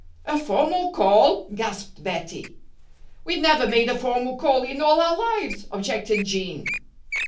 "A formal call!" gasped Bettie. "We never made a formal call in all our lives," objected Jean.